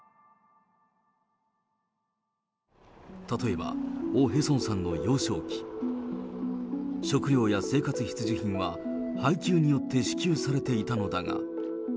例えばオ・ヘソンさんの幼少期、食糧や生活必需品は配給によって支給されていたのだが。